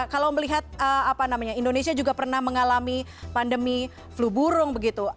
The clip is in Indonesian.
kalau melihat indonesia juga pernah mengalami pandemi flu burung begitu